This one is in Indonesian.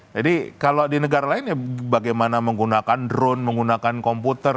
jadi kalau di negara lain ya bagaimana menggunakan drone menggunakan komputer